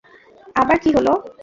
আবার কী হলো?